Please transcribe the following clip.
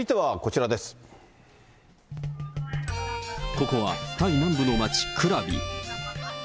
ここはタイ南部の町、クラビ。